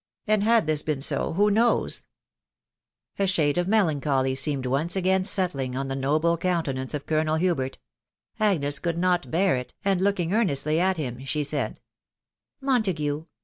And had this been so, who knows •«••" A shade of melancholy seemed once again settling on the noble countenance of Colonel Hubert; Agnes could not bear it, and looking earnestly at him, she said, —" Montague